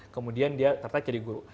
kemudian dia tertarik jadi guru